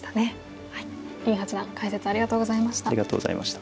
林八段解説ありがとうございました。